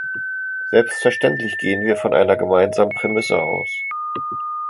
Selbstverständlich gehen wir von einer gemeinsamen Prämisse aus.